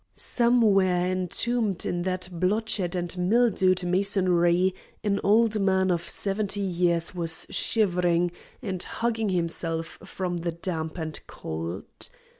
Somewhere entombed in that blotched and mildewed masonry an old man of seventy years was shivering and hugging himself from the damp and cold.